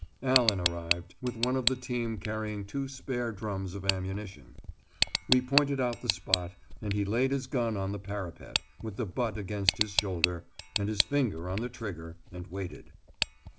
Allan arrived, with one of the team carrying two spare drums of ammunition. We pointed out the spot, and he laid his gun on the parapet, with the butt against his shoulder, and his finger on the trigger, and waited.